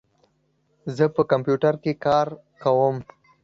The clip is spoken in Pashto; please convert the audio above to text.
زه په کمپیوټر کې کار کوم.